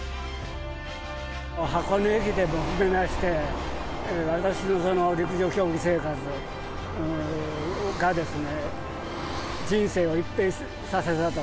箱根駅伝も含めまして、私の陸上競技生活がですね、人生を一変させたと。